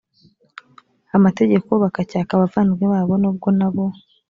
amategeko bakacyaka abavandimwe babo nubwo na bo